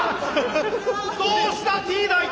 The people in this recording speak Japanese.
どうしたＴ大！